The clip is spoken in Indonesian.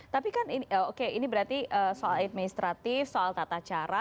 tapi kan oke ini berarti soal administratif soal tata cara